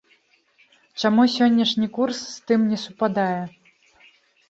Чаму сённяшні курс з тым не супадае?